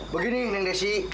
begini neng desy